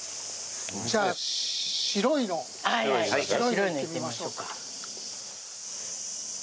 じゃあ白いのいってみましょうか。